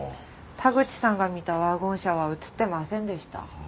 田口さんが見たワゴン車は映ってませんでした。